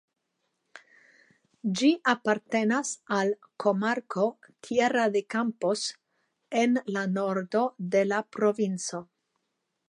Ĝi apartenas al komarko "Tierra de Campos" en la nordo de la provinco.